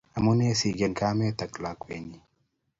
Amune siken kamet ak latwenyi